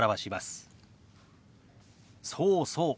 そうそう。